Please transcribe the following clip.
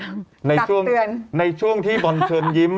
แต่ในช่วงที่บอลเชิญยิ้ม